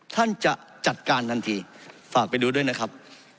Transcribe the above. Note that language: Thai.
ท่านจะจัดการทันทีฝากไปดูด้วยนะครับ